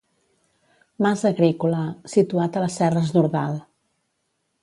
Mas agrícola, situat a les serres d'Ordal.